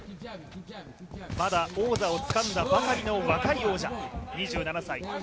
まだ王座をつかんだばかりの若い王者、２７歳。